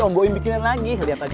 om gue bikinin lagi lihat aja